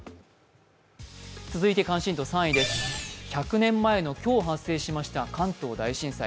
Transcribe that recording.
続いて関心度３位です１００年前の今日発生しました関東大震災。